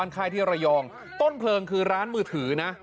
ต้นเคลิญจรภมณ์คือร้านเมือถือนะ